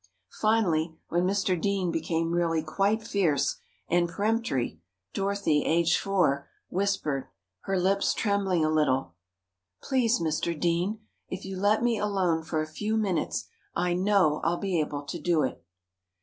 Finally, when Mr. Dean became really quite fierce, and peremptory, Dorothy, aged four, whispered, her lips trembling a little: "Please, Mr. Dean, if you let me alone for a few minutes, I know I'll be able to do it."